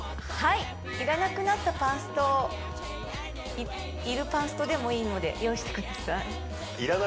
はいいらなくなったパンストをいるパンストでもいいので用意してください